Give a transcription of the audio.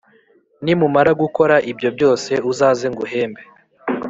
nimumara gukora ibyo byose uzaze nguhembe